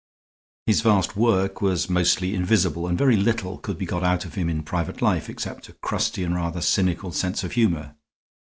His vast work was mostly invisible, and very little could be got out of him in private life except a crusty and rather cynical sense of humor.